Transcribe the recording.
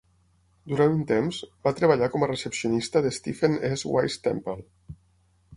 Durant un temps, va treballar com a recepcionista de Stephen S. Wise Temple.